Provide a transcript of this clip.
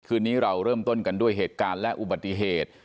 คืนนี้เราเริ่มต้นกันด้วยเหตุการณ์และอุบัติเหตุ